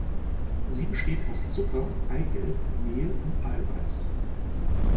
Sie besteht aus Zucker, Eigelb, Mehl und Eiweiß.